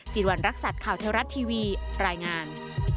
สิริวัณรักษัตริย์ข่าวเทวรัฐทีวีรายงาน